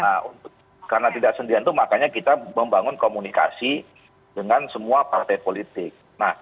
nah karena tidak sendirian itu makanya kita membangun komunikasi dengan semua partai politik